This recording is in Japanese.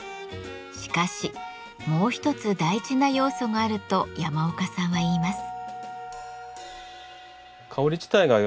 しかしもう一つ大事な要素があると山岡さんは言います。